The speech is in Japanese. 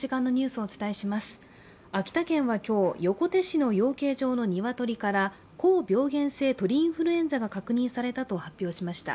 秋田県は今日、横手市の養鶏場の鶏から高病原性鳥インフルエンザが確認されたと発表しました。